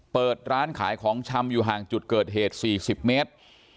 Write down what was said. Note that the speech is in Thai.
เปิดร้านขายของชำอยู่ห่างจุดเกิดเหตุ๔๐เมตร